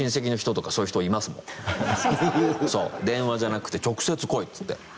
電話じゃなくて直接来いっつって。